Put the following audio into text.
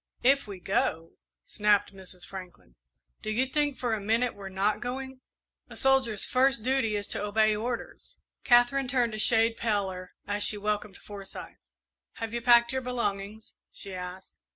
"If we go!" snapped Mrs. Franklin. "Do you think for a minute we're not going? A soldier's first duty is to obey orders!" Katherine turned a shade paler as she welcomed Forsyth. "Have you packed your belongings?" she asked.